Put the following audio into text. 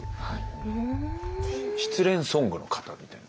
失恋ソングの型みたいな。